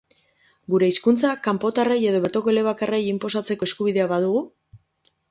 Gure hizkuntza, kanpotarrei edo bertoko elebakarrei, inposatzeko eskubidea badugu?